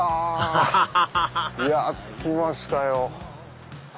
アハハハハ着きましたよ。